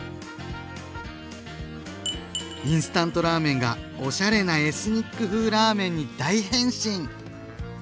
インスタントラーメンがおしゃれなエスニック風ラーメンに大変身！